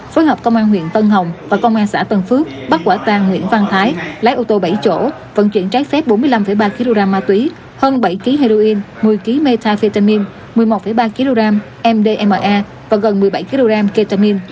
phối hợp công an huyện tân hồng và công an xã tân phước bắt quả tàng nguyễn văn thái lái ô tô bảy chỗ vận chuyển trái phép bốn mươi năm ba kg ma túy hơn bảy kg heroin một mươi kg metafetamine một mươi một ba kg mdma và gần một mươi bảy kg ketamine